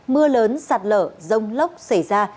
mưa lớn sạt lở rông lốc xảy ra